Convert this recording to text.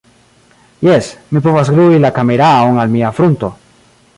Jes, mi povas glui la kameraon al mia frunto